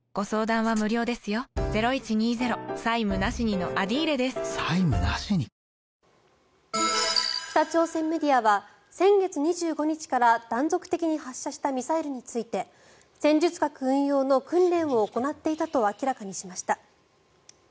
「感謝セール」２４日まで北朝鮮メディアは先月２５日から断続的に発射したミサイルについて戦術核運用の訓練を行っていたと明らかにしました。